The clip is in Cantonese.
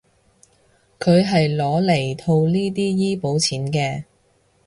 佢係攞嚟套呢啲醫保錢嘅